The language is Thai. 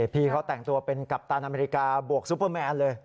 พี่เขาแต่งตัวเป็นกัปตันอเมริกาบวกซุปเปอร์แมนเลย